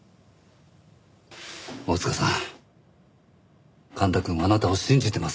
大塚さん幹太くんはあなたを信じてます。